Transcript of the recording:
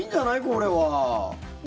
これは。